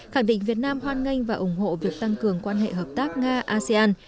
khẳng định việt nam hoan nghênh và ủng hộ việc tăng cường quan hệ hợp tác nga asean